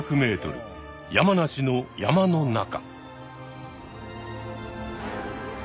山梨の山の中。